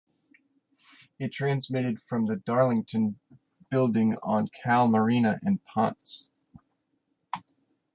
It transmitted from the Darlington building on Calle Marina in Ponce.